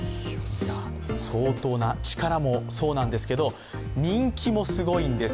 相当な力もそうなんですけど、人気もすごいんです。